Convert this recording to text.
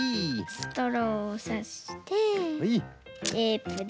ストローをさしてテープで。